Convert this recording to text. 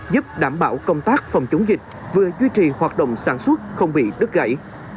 giúp đảm bảo công tác phòng chống dịch vừa duy trì hoạt động sản xuất không bị đứt gãy